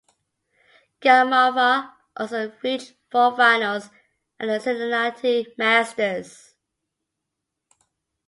Giammalva also reached four finals at the Cincinnati Masters.